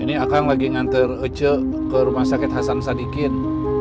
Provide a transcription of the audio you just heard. ini akang lagi ngantar oce ke rumah sakit hasan sadikin